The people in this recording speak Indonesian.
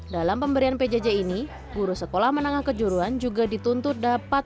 dalam pemberian pjj ini guru sekolah menengah kejuruan juga dituntut dapat